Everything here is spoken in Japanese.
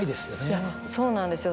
いやそうなんですよ